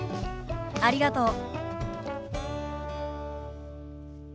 ありがとう。